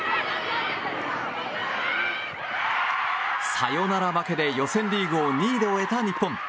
サヨナラ負けで予選リーグを２位で終えた日本。